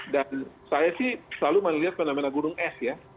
dan saya sih selalu melihat mana mana gunung es ya